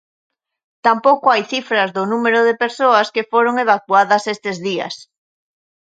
Tampouco hai cifras do número de persoas que foron evacuadas estes días.